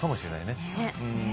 そうですね。